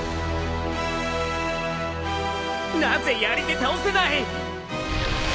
なぜやりで倒せない！？